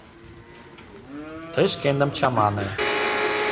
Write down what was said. Тый шкендым чамане.